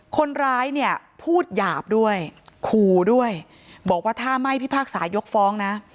คนร้ายเนี่ยพูดหยาบด้วยขู่ด้วยบอกว่าถ้าไม่พิพากษายกฟ้องนะ